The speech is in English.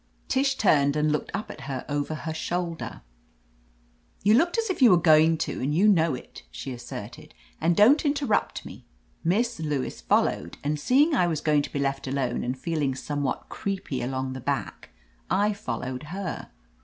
Tish turned and looked up at her over her shoulder, 15 8 I THE AMAZING ADVENTURES "You looked as if you were going to, and you know it," she asserted. "And don't inter rupt me. Miss Lewis followed, and seeing I was feoing to be left alone, and feeling some what creepy along the back, I followed her."